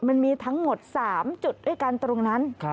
มันมีทั้งหมด๓จุดด้วยกันตรงนั้น